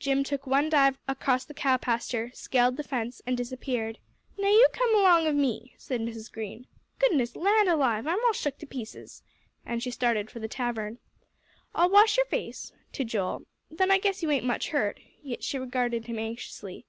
Jim took one dive across the cow pasture, scaled the fence, and disappeared. "Now you come along of me," said Mrs. Green. "Goodness land alive! I'm all shook to pieces," and she started for the tavern. "I'll wash your face," to Joel; "then I guess you ain't hurt much," yet she regarded him anxiously.